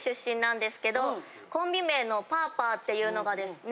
コンビ名のパーパーっていうのがですね